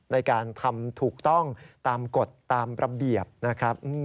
ในการทำถูกต้องตามกฎตามระเบียบนะครับ